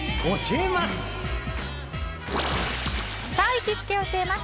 行きつけ教えます！